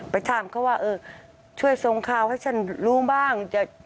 ไปถามเขาว่าเออช่วยส่งข่าวให้ฉันรู้บ้าง